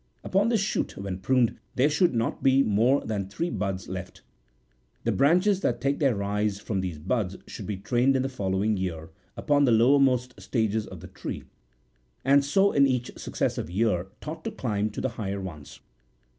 Upon this shoot, when pruned, there should not be more than three buds left. The branches that take their rise from these buds should be trained in the following year upon the lowermost stages of the tree, and so in each successive year taught to climb to the higher ones.